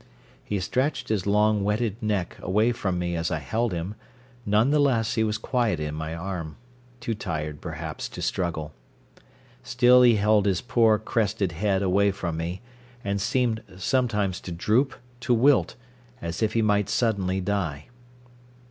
He stretched his long, wetted neck away from me as I held him, none the less he was quiet in my arm, too tired, perhaps, to struggle. Still he held his poor, crested head away from me, and seemed sometimes to droop, to wilt, as if he might suddenly die.